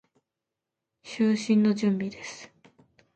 就寝の準備です。